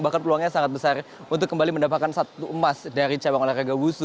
bahkan peluangnya sangat besar untuk kembali mendapatkan satu emas dari cabang olahraga wusu